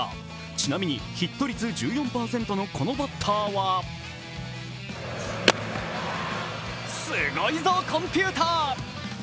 ちなみにヒット率１４％のこのバッターはすごいぞ、コンピューター！